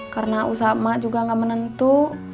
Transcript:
karena usaha emak juga gak menentu